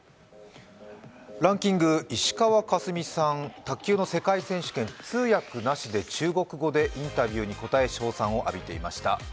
ランキング、石川佳純さん、卓球の世界選手権、通訳なしで中国語でインタビューに答え、称賛を浴びていました。